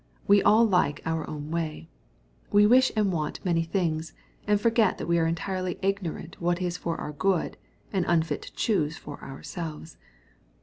We all like our own way. We wish and want many things, and forget that we are entirely ignorant what is for our good, and unfit to choose for ourselves.